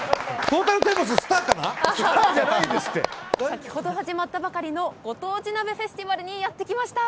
先ほど始まったばかりのご当地鍋フェスティバルにやってきました。